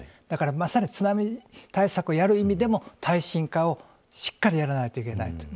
だからまさに津波対策をやる意味でも耐震化をしっかりやらないといけない。